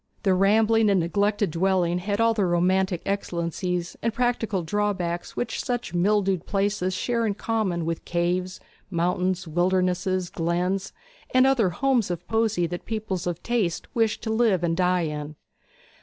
The rambling and neglected dwelling had all the romantic excellencies and practical drawbacks which such mildewed places share in common with caves, mountains, wildernesses, glens, and other homes of poesy that people of taste wish to live and die in.